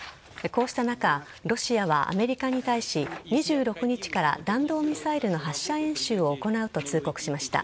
こうした中ロシアはアメリカに対し２６日から弾道ミサイルの発射演習を行うと通告しました。